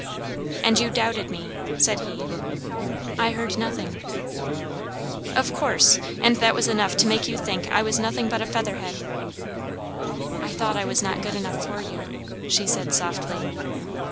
"And you doubted me!" said he. "I heard nothing" "Of course! and that was enough to make you think I was nothing but a featherhead!" "I thought I was not good enough for you," she said softly.